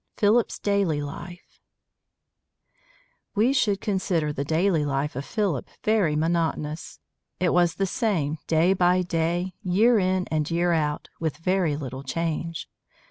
PHILIP'S DAILY LIFE We should consider the daily life of Philip very monotonous. It was the same, day by day, year in and year out, with very little change.